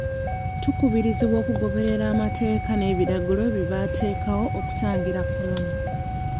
Tukubirizibwa okugoberera amateeka n'ebiragiro bye baateekawo okutangira kolona.